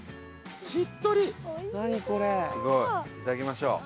いただきましょう。